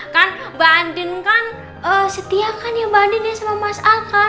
kan mbak anden kan setia kan ya mbak anden ya sama mas al kan